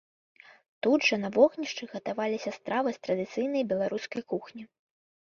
Тут жа на вогнішчы гатаваліся стравы з традыцыйнай беларускай кухні.